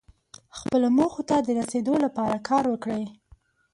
خپلو موخو ته رسیدو لپاره کار وکړئ.